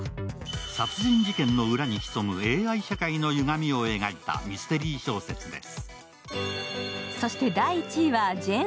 殺人事件の裏に潜むＡＩ社会のゆがみを描いたミステリー小説です。